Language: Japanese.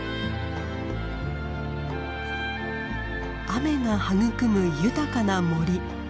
雨が育む豊かな森。